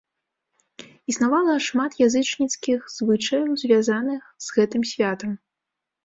Існавала шмат язычніцкіх звычаяў, звязаных з гэтым святам.